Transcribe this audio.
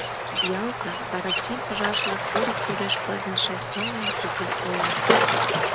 Ялта — вараксим пыжашла курык тӱреш пызныше сылне кугу ола.